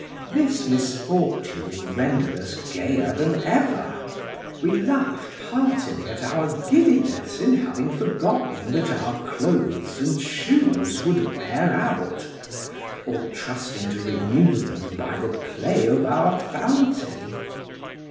This misfortune rendered us gayer than ever; we laughed heartily at our giddiness in having forgotten that our clothes and shoes would wear out, or trusting to renew them by the play of our fountain.